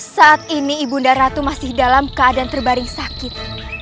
saat ini ibu daratu masih dalam keadaan terbaring sakit